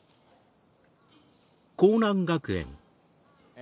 え